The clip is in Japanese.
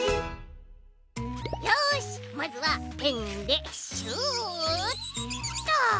よしまずはペンでシュッと。